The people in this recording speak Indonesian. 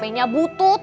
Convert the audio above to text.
tapi hpnya butut